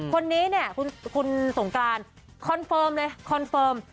คนนี้เนี่ยคุณสงกรานพูดโฉนโปรดเลย